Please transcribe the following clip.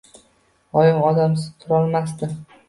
Oyim odamsiz turolmasdi.